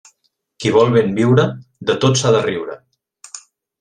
Qui vol ben viure, de tot s'ha de riure.